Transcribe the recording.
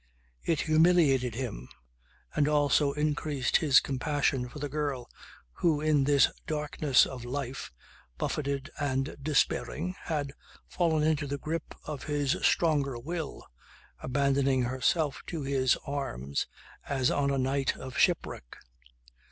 It humiliated him and also increased his compassion for the girl who in this darkness of life, buffeted and despairing, had fallen into the grip of his stronger will, abandoning herself to his arms as on a night of shipwreck.